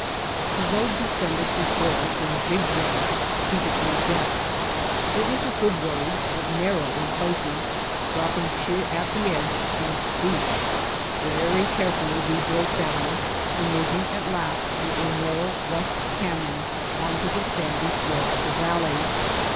The road descended before us in jigjags to the blue depth. It was a good road but narrow in places, dropping sheer at the edge, and steep. Very carefully we drove down, emerging at last through a narrow, rough canyon onto the sandy White Heart of Mojave floor of the valley.